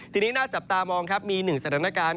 ทีนี้หน้าจับตามองมี๑สถานการณ์